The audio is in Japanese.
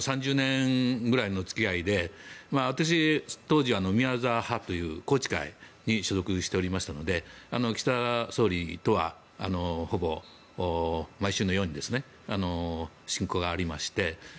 ３０年ぐらいの付き合いで私は当時、宮澤派という宏池会に所属しておりましたので岸田総理とは毎週のように親交がありまして